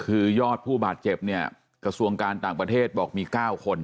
คือยอดผู้บาดเจ็บเนี่ยกระทรวงการต่างประเทศบอกมี๙คน